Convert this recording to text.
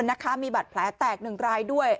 อีกหนึ่งคนนะคะมีบัตรแผลแตกหนึ่งรายด้วย